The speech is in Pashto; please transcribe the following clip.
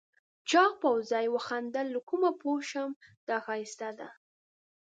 چاغ پوځي وخندل له کومه پوه شم دا ښایسته ده؟